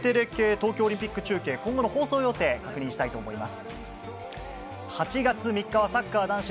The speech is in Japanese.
日テレ系、東京オリンピック中継、今後の放送予定を確認したいと思います。